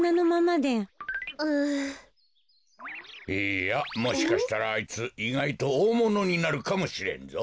いいやもしかしたらあいついがいとおおものになるかもしれんぞ。